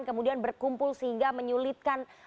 kemudian berkumpul sehingga menyulitkan